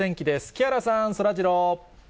木原さん、そらジロー。